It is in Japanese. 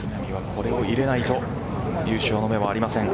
これを入れないと優勝の目はありません。